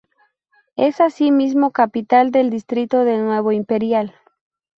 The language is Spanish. Es asimismo capital del distrito de Nuevo Imperial.